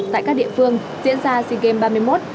tại các địa phương diễn ra sea games ba mươi một